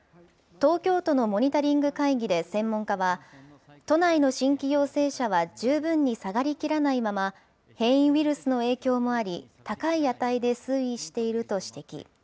東京都のモニタリング会議で専門家は、都内の新規陽性者は十分に下がりきらないまま、変異ウイルスの影響もあり、高い値で推移していると指摘。